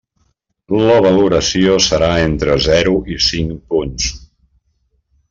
La valoració serà entre zero i cinc punts.